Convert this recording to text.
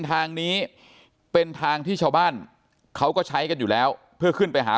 ทางนี้เป็นทางที่ชาวบ้านเขาก็ใช้กันอยู่แล้วเพื่อขึ้นไปหา